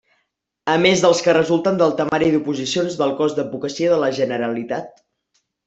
A més dels que resulten del temari d'oposicions del cos d'Advocacia de la Generalitat.